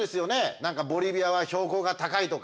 何かボリビアは標高が高いとか？